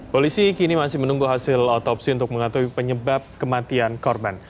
polisi kini masih menunggu hasil otopsi untuk mengetahui penyebab kematian korban